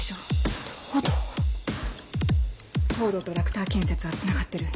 藤堂とラクター建設はつながってる。